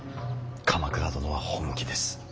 鎌倉殿は本気です。